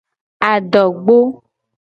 Adogbo.